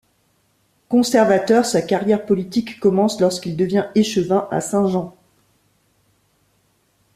Conservateur, sa carrière politique commence lorsqu'il devient échevin à Saint-Jean.